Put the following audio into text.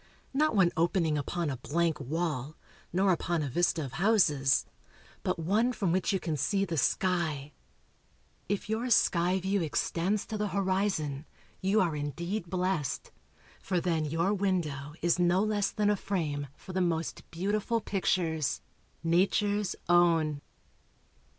Not one opening upon a blank wall, nor upon a vista of houses, but one from which you can see the sky. If your sky view extends to the horizon, you are indeed blest; for then your window is no less than a frame for the most beautiful pictures nature's own.